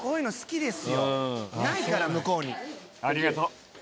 ありがとう。